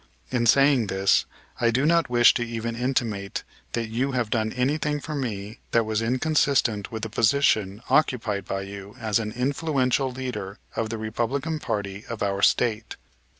In saying this I do not wish to even intimate that you have done anything for me that was inconsistent with the position occupied by you as an influential leader of the Republican party of our State.